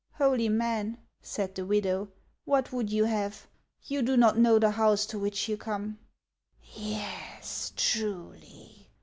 " Holy man," said the widow, " what wrould you have ? You do not know the house to which you come." " Yes, truly